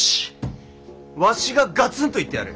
わしががつんと言ってやる！